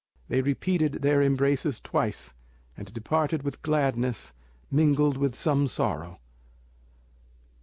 They repeated their embraces twice, and departed with gladness, mingled with some sorrow.